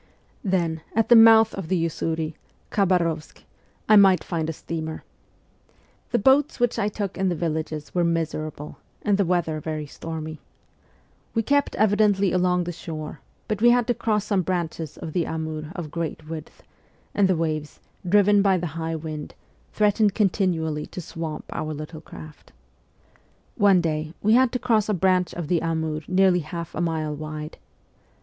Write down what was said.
Then, at the mouth of the Usuri (Khabarovsk) I might find a steamer. The boats which I took in the villages were miserable, and the weather very stormy. We kept evidently along the shore, but we had to cross some branches of the Amur of great width, and the waves, driven by the high wind, threatened continually to swamp our little craft. One day we had to cross a branch of the Amur nearly half a mile wide.